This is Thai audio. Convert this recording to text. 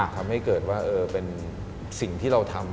ทำให้เกิดว่าเป็นสิ่งที่เราทำ